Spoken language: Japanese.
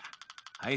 はい。